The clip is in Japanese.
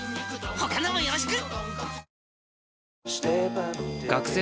他のもよろしく！